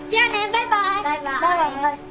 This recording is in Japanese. バイバイ！